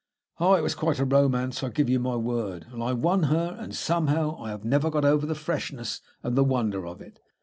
Oh! it was quite a romance, I give you my word, and I won her; and, somehow, I have never got over the freshness and the wonder of it.